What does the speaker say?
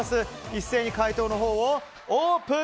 一斉に回答をオープン。